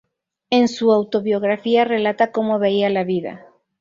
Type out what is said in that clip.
En su autobiografía relata cómo veía la vida.